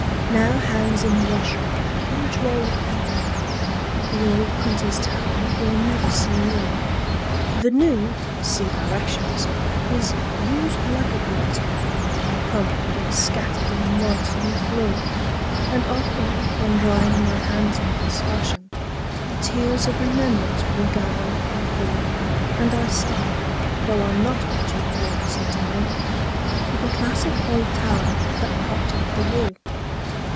Now hangs in the washroom a huge roll of paper The old printer's towel we'll never see more. The new (see directions) is "used like a blotter," And crumpled and scattered in wads on the floor. And often, when drying my hands in this fashion, The tears of remembrance will gather and fall, And I sigh (though I'm not what you'd call sentimental) For the classic old towel that propped up the wall.